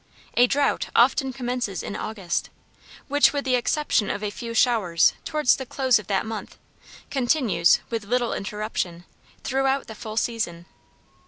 A drought often commences in August which, with the exception of a few showers towards the close of that month, continues, with little interruption, throughout the full season.